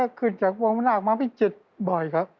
ตาเหลืองจากวงพนาคมาพิจิตย์บ่อยครับ